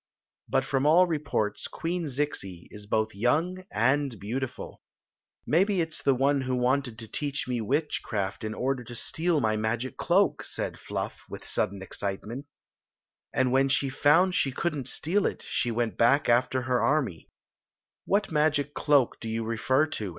But from all reports, Queen Zixi is both young and beautiful" "Maybe it s the one who wanted to teach me witchcraft in order to steal my magic cloak!" said Fluff, with sudden excitement "Aad when she Queen Zixi of Ix; or, tite found she could n't steal it. she went back after k& army. " What magic cloak do you refer to